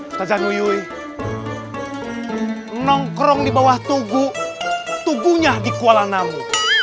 ustazanuyuy nongkrong di bawah tugu tugu nya di kualanamu